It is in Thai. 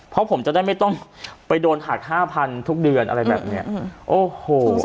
เพราะผมจะได้ไม่ต้องไปโดนหักห้าพันทุกเดือนอะไรแบบเนี้ยโอ้โห